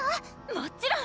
もっちろん！